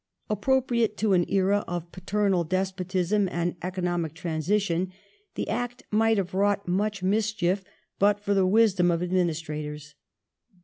Appropriate to an era of paternal despotism and economic transition, the Act might have wrought much mischief but for the wisdom of administrators.